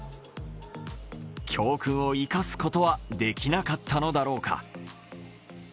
教訓を生かすことはできなかったのだろうか。